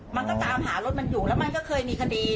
มันก็ตามหารถมันอยู่แล้วมันก็เคยมีคดี